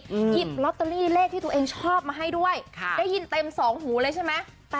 หยิบลอตเตอรี่เลขที่ตัวเองชอบมาให้ด้วยค่ะได้ยินเต็มสองหูเลยใช่ไหม